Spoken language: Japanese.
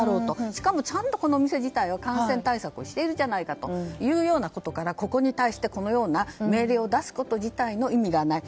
しかもちゃんと、このお店自体は感染対策をしているということからここに対してこのような命令を出すこと自体の意味がない。